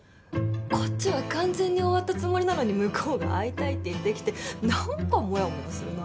こっちは完全に終わったつもりなのに向こうが会いたいって言ってきてなんかモヤモヤするなって。